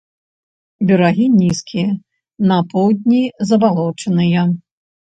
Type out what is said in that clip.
Берагі нізкія, на поўдні забалочаныя.